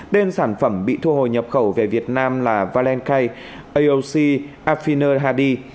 tên sản phẩm bị thu hồi nhập khẩu về việt nam là valencia